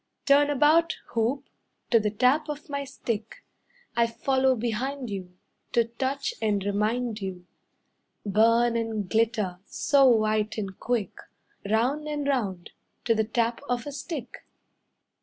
Turn about, hoop, to the tap of my stick, I follow behind you To touch and remind you. Burn and glitter, so white and quick, Round and round, to the tap of a stick."